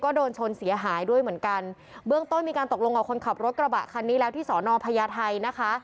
ก็โดนชนเสียหายด้วยเหมือนกันเบื้องต้นมีการตกลงกับคนขับรถกระบะคันนี้แล้วที่สอนอพญาไทยนะคะ